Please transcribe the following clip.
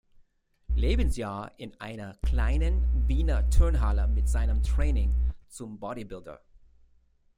Lebensjahr in einer kleinen Wiener Turnhalle mit seinem Training zum Bodybuilder.